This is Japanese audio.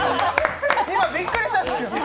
今、びっくりしたんですけど。